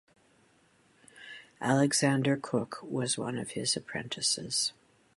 Alexander Cooke was one of his apprentices.